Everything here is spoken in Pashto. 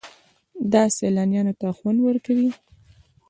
دا سیلانیانو ته خوند ورکوي.